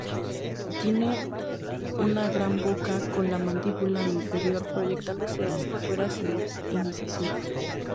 Tiene una gran boca con la mandíbula inferior proyectándose hacia fuera, sin incisivos.